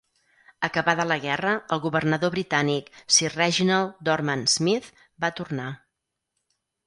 Acabada la guerra, el governador britànic, Sir Reginald Dorman-Smith, va tornar.